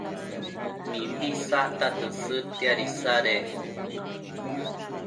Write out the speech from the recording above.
mimbi isacta tësëdtiad isadec